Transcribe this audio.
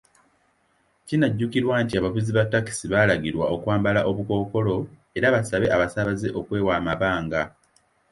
Kinajjukirwa nti, abavuzi ba takisi balagirwa okwambala obukookolo era basabe abasaabaze okwewa amabanga.